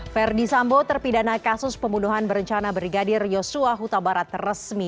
verdi sambo terpidana kasus pembunuhan berencana brigadir yosua huta barat resmi